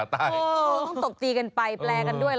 ต้องตกตีกันไปแปลกันด้วยแล้วกันนะ